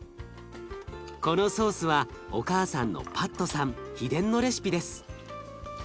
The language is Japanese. このソースはお母さんのパットさん秘伝のレシピです。